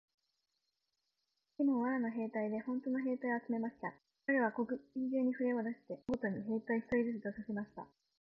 シモンは藁の兵隊でほんとの兵隊を集めました。かれは国中にふれを出して、家十軒ごとに兵隊一人ずつ出させました。